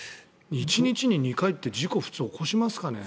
１日に２回って事故、普通起こしますかね。